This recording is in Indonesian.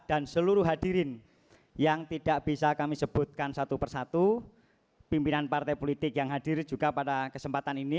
dan seluruh hadirin yang tidak bisa kami sebutkan satu persatu pimpinan partai politik yang hadir juga pada kesempatan ini